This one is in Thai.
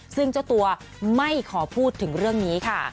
ซึ่งเจ้าตัวไม่ขอพูดถึงเรื่องนี้ค่ะ